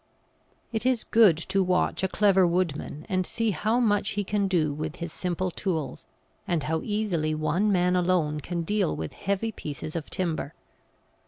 It is good to watch a clever woodman and see how much he can do with his simple tools, and how easily one man alone can deal with heavy pieces of timber.